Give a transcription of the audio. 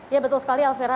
ya betul sekali elvira